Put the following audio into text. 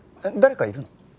誰かいるの？